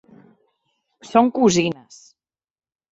Són cosines...